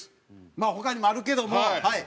まあ他にもあるけどもはい。